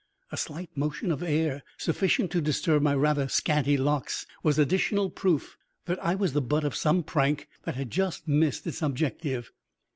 A slight motion of air, sufficient to disturb my rather scanty locks, was additional proof that I was the butt of some prank that had just missed its objective.